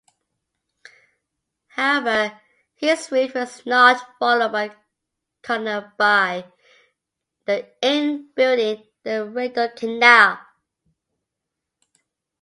However, his route was not followed by Colonel By in building the Rideau Canal.